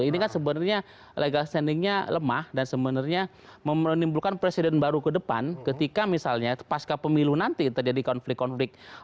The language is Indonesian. ini kan sebenarnya legal standingnya lemah dan sebenarnya menimbulkan presiden baru ke depan ketika misalnya pasca pemilu nanti terjadi konflik konflik